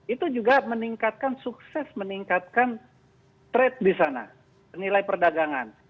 itu juga meningkatkan sukses meningkatkan trade di sana nilai perdagangan